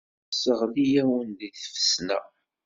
Tesseɣli-awen deg tfesna.